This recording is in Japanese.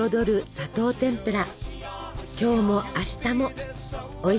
「砂糖てんぷら」。